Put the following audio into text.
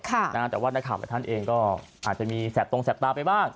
แต่ว่านักข่าวหลายท่านเองก็อาจจะมีแสบตรงแสบตาไปบ้าง